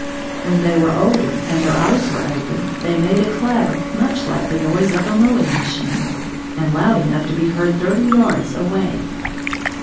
When they were older and their eyes were open, they made a clatter much like the noise of a mowing machine, and loud enough to be heard thirty yards away.